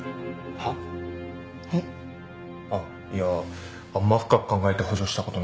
は？えっ？あっいやあんま深く考えて補助した事ないんで。